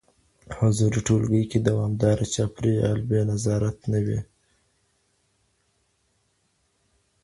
حضوري ټولګي کي دوامداره چاپيريال بې نظارت نه وي.